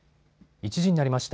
１時になりました。